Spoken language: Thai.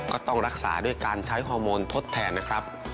ก็ต้องรักษาด้วยการใช้ฮอร์โมนทดแทนนะครับ